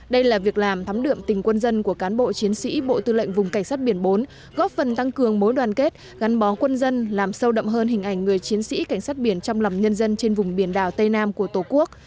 đây là việc làm thắm đượm tình quân dân của cán bộ chiến sĩ bộ tư lệnh vùng cảnh sát biển bốn góp phần tăng cường mối đoàn kết gắn bó quân dân làm sâu đậm hơn hình ảnh người chiến sĩ cảnh sát biển trong lòng nhân dân trên vùng biển đảo tây nam của tổ quốc